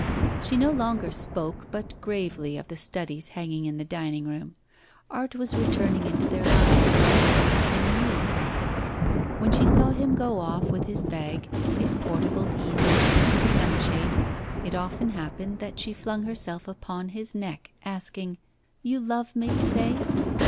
She no longer spoke but gravely of the studies hanging in the dining room. Art was returning into their lives, and it made her muse. When she saw him go off with his bag, his portable easel, and his sunshade, it often happened that she flung herself upon his neck, asking: 'You love me, say?